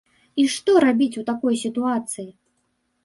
І што рабіць у такой сітуацыі?